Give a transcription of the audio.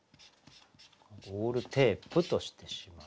「ゴールテープ」としてしまう。